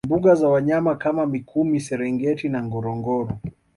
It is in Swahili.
Mbuga za wanyama kama mikumi serengeti na ngorongoro